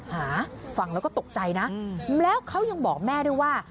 หาฟังแล้วก็ตกใจนะแล้วเขายังบอกแม่ด้วยว่า